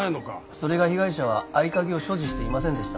それが被害者は合鍵を所持していませんでした。